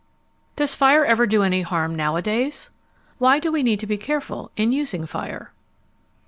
Does fire ever do any harm nowadays? Why do we need to be careful in using fire?